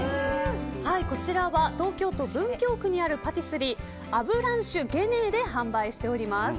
こちらは東京都文京区にあるパティスリーアヴランシュゲネーで販売しております。